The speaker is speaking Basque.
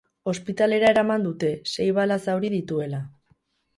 Ospitalera eraman dute, sei bala-zauri dituela.